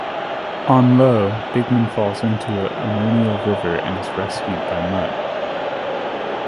On Io, Bigman falls into an ammonial river, and is rescued by Mutt.